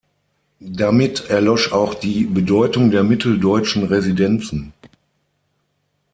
Damit erlosch auch die Bedeutung der mitteldeutschen Residenzen.